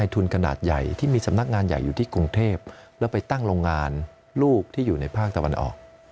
ทุนขนาดใหญ่ที่มีสำนักงานใหญ่อยู่ที่กรุงเทพแล้วไปตั้งโรงงานลูกที่อยู่ในภาคตะวันออก